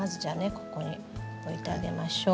ここに置いてあげましょう。